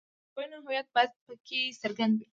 د طرفینو هویت باید په کې څرګند وي.